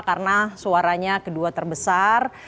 karena suaranya kedua terbesar